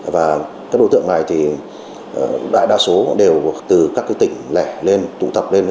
và các đối tượng này thì đại đa số đều từ các tỉnh lẻ lên tụ tập lên